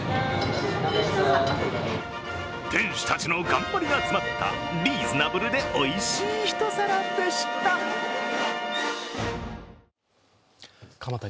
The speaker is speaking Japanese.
店主たちの頑張りが詰まったリーズナブルでおいしい一皿でした。